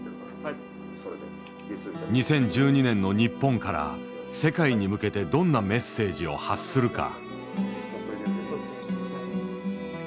２０１２年の日本から世界に向けてどんなメッセージを発するか。